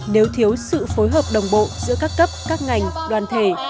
nếu thiếu sự phối hợp đồng bộ giữa các cấp các ngành đoàn thể